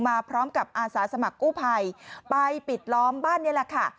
มาพร้อมกับอาสาสมัครกู้ภัยไปปิดล้อมบ้านนี่แหละค่ะ